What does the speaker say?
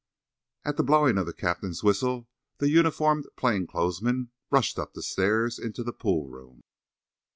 At the blowing of the captain's whistle the uniformed plain clothes men rushed up the stairs into the pool room.